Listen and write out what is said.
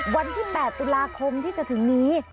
วันที่๘ตุลาคมที่จะถึงนี้